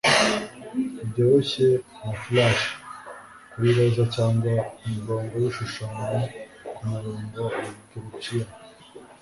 Nibyoroshye nka flush kuri roza cyangwa umurongo wibishushanyo kumurongo wa Greciya